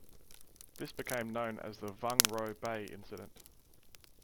This became known as the Vung Ro Bay Incident.